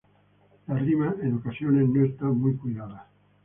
La rima en ocasiones no está muy cuidada.